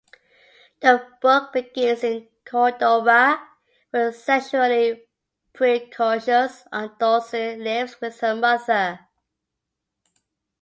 The book begins in Cordoba where the sexually precocious Aldonza lives with her mother.